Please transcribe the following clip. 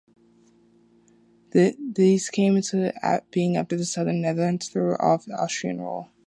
These came into being after the Southern Netherlands threw off Austrian rule.